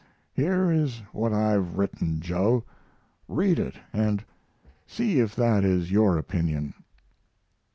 Here is what I have written, Joe. Read it, and see if that is your opinion."